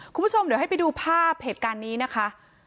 คุณผู้ชมเดี๋ยวให้ไปดูภาพเหตุการณ์นี้นะคะ